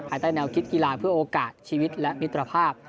ใต้แนวคิดกีฬาเพื่อโอกาสชีวิตและมิตรภาพ